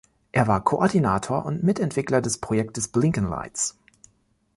Er war Koordinator und Mitentwickler des Projekts Blinkenlights.